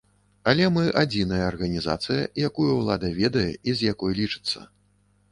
Але мы адзіная арганізацыя, якую ўлада ведае і з якой лічыцца.